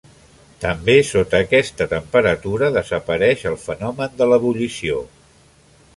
També sota aquesta temperatura desapareix el fenomen de l'ebullició.